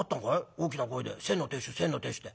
大きな声で『先の亭主先の亭主』って」。